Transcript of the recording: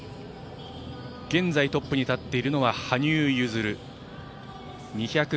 現在、トップに立っているのは羽生結弦。